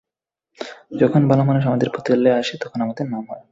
যখন ভালো মানুষ আমাদের পতিতালয়ে আসে তখন আমাদের নাম হয়।